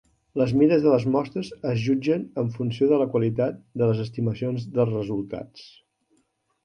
Les mides de les mostres es jutgen en funció de la qualitat de les estimacions dels resultats.